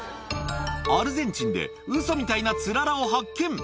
アルゼンチンでウソみたいなつららを発見。